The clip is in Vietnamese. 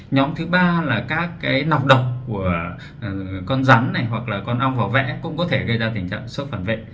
nhóm thứ ba là các nọc độc của con rắn hoặc là con ong vào vẽ cũng có thể gây ra tình trạng sốc phản vệ